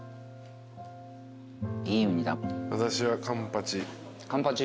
私はカンパチ。